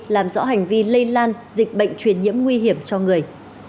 làm rõ hành vi lây lan dịch bệnh truyền nhiễm nguy hiểm cho người